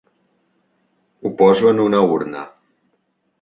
Ho poso en una urna.